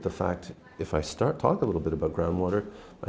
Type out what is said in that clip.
những người trẻ hôm nay